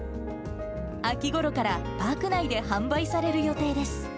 秋ごろからパーク内で販売される予定です。